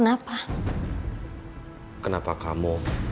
dan papa kamu tidak membiarkan aku mati sama dia